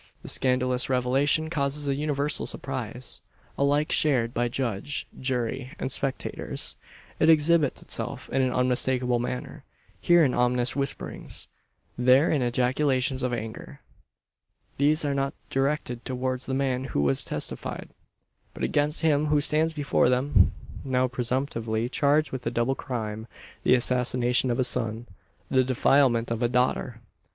The scandalous revelation causes a universal surprise alike shared by judge, jury, and spectators. It exhibits itself in an unmistakable manner here in ominous whisperings, there in ejaculations of anger. These are not directed towards the man who has testified; but against him who stands before them, now presumptively charged with a double crime: the assassination of a son the defilement of a daughter!